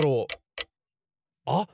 あっ！